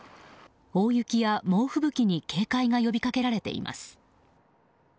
大雪や猛吹雪に警戒が呼びかけられています。